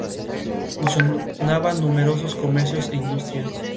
Funcionaban numerosos comercios e industrias.